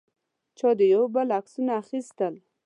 چا د یو بل عکسونه اخیستل.